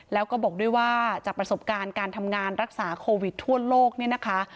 แล้วก็บอกด้วยว่าจากประสบการณ์การทำงานรักษาโควิดทั่วโลกเนี่ยนะคะ